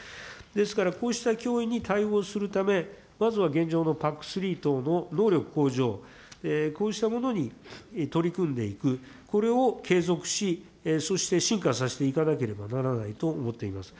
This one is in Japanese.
ですから、こうした脅威に対応するため、まずは現状のＰＡＣ３等の能力向上、こうしたものに取り組んでいく、これを継続し、そして進化させていかなければならないと思っています。